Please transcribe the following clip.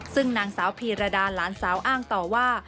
ซึ่งนางสาวพีรดาหลานสาวอ้างต่อว่า